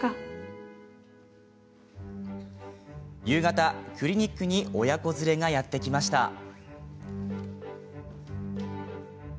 夕方、クリニックに親子連れがやって来ました。